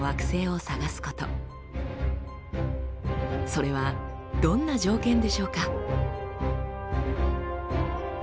それはどんな条件でしょうか？